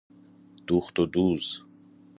دوخت و دوز